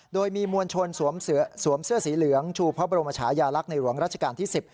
โดยมีมวลชนสวมเสื้อสีเหลืองชูพระบรมชายาลักษณ์ในหลวงราชการที่๑๐